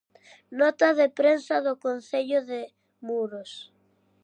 Nota de prensa do Concello de Muros.